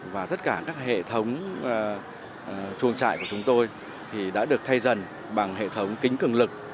và tất cả các hệ thống chuồng trại của chúng tôi đã được thay dần bằng hệ thống kính cường lực